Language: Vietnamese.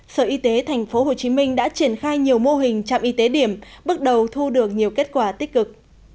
sở y tế tp hcm đã triển khai nhiều mô hình trạm y tế điểm bước đầu thu được nhiều kết quả tích cực